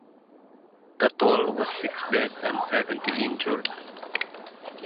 The toll was six dead and seventy injured.